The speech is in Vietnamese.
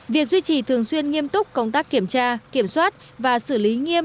việc duy trì thường xuyên nghiêm túc công tác kiểm tra kiểm soát và xử lý nghiêm